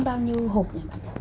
bao nhiêu hộp nhỉ